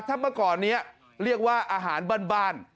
ถ้าเมื่อก่อนนี้เรียกว่าอาหารบ้าน